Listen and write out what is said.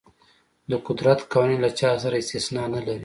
د قدرت قوانین له چا سره استثنا نه لري.